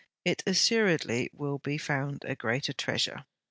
It assuredly will be found a greater treasure.'